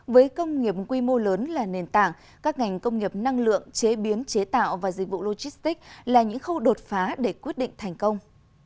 với công nghiệp quy mô lớn là nền tảng các ngành công nghiệp năng lượng chế biến chế tạo và dịch vụ logistics là những khâu đột phá để quyết định thành công